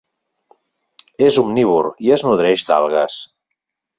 És omnívor i es nodreix d'algues.